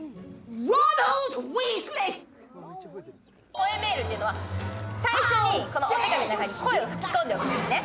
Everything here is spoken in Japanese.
吠えメールっていうのは最初に手紙の中に声を吹き込んでおくんですね。